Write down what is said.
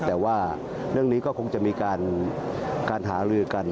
แต่ว่าเรื่องนี้ก็คงจะมีการหาลือกัน